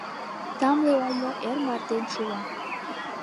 Тамле омо Эр мартен шула.